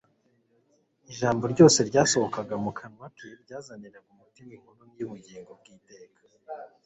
Ijambo ryose ryasohokaga mu kanwa ke ryazaniraga umutima inkuru y'ubugingo bw'iteka.